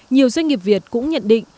nhiều doanh nghiệp việt cũng nhận định